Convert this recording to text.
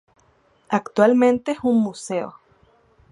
Actualmente es un museo.